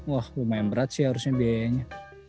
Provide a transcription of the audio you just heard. wah lumayan berat sih harusnya biayanya